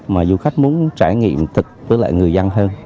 mà du khách muốn trải nghiệm thật với người dân hơn